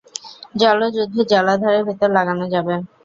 জলজ উদ্ভিদ জলাধারের ভেতর লাগানো যাবে।